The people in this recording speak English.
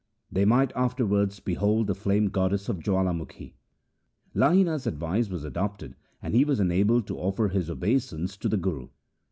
They might afterwards behold the flame goddess of Jawalamukhi. Lahina's advice was adopted and he was enabled to offer his obeisance to the Guru.